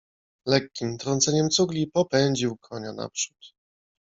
Lekkim trąceniem cugli popędził konia naprzód.